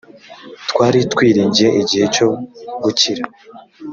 twari twiringiye igihe cyo gukira